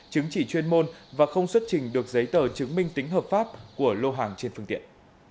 chứng chỉ chuyên môn và không xuất trình được giấy tờ chứng minh tính hợp pháp của lô hàng trên phương tiện